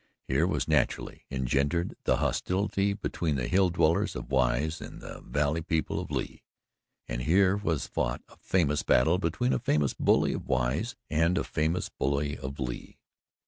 Here was naturally engendered the hostility between the hill dwellers of Wise and the valley people of Lee, and here was fought a famous battle between a famous bully of Wise and a famous bully of Lee.